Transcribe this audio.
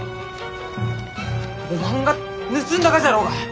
おまんが盗んだがじゃろうが！